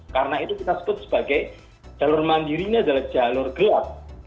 karena itu kita sebut sebagai jalur mandiri ini adalah jalur gelap